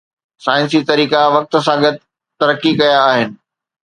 سائنسي طريقا وقت سان گڏ ترقي ڪيا آهن